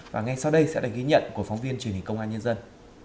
và ngay sau đây sẽ là ghi nhận của phóng viên truyền hình công an nhân dân